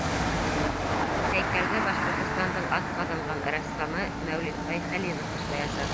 Һәйкәлде Башҡортостандың атҡаҙанған рәссамы Мәүлитбай Хәлилов эшләйәсәк.